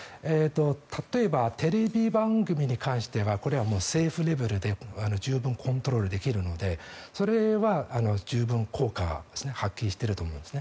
例えばテレビ番組に関してはこれは政府レベルで十分コントロールできるのでそれは十分効果を発揮していると思います。